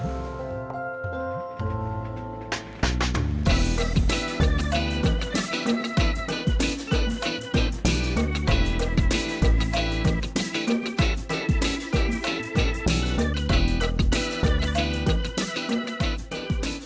biar saya jebuk dulu